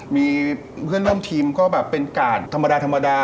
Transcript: มีเพื่อนร่วมทีมก็แบบเป็นกาดธรรมดาธรรมดา